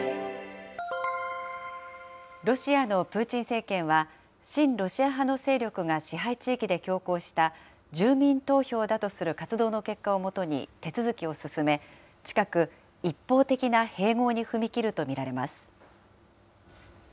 ロシアのプーチン政権は、親ロシア派の勢力が支配地域で強行した、住民投票だとする活動の結果をもとに手続きを進め、近く、一方的な併合に踏み切ると見られます。